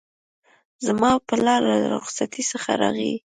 زما پلار له رخصتی څخه راغی